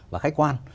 và khách quan